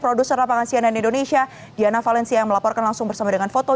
produser lapangan cnn indonesia diana valencia yang melaporkan langsung bersama dengan foto